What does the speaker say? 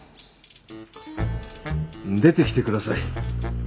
出てきてください。